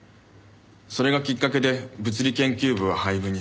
それがきっかけで物理研究部は廃部に。